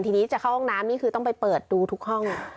ทีนี้จะเข้าห้องน้ำนี่คือต้องไปเปิดดูทุกห้อง